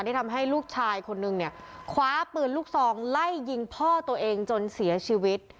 ทำให้ลูกชายคนนึงเนี่ยคว้าปืนลูกซองไล่ยิงพ่อตัวเองจนเสียชีวิต